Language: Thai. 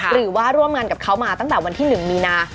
หรือว่าร่วมงานกับเขามาตั้งแต่วันที่๑มีนา